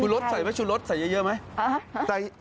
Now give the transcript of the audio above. คุณลดใส่ไหมคุณลดใส่เยอะไหม